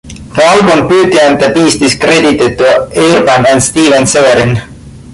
The album "Beauty and the Beast" is credited to Arban and Steven Severin.